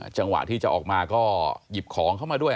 จังหวะที่จะออกมาก็หยิบของเข้ามาด้วย